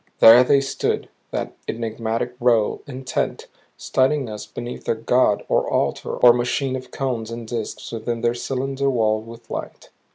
There they stood that enigmatic row, intent, studying us beneath their god or altar or machine of cones and disks within their cylinder walled with light.